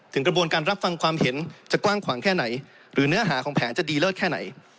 กระบวนการรับฟังความเห็นจะกว้างขวางแค่ไหนหรือเนื้อหาของแผนจะดีเลิศแค่ไหน